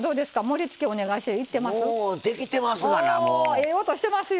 ええ音してますよ。